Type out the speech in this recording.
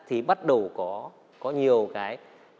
thì bắt đầu có nhiều cái